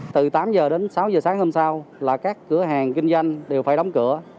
từ tám h đến sáu giờ sáng hôm sau là các cửa hàng kinh doanh đều phải đóng cửa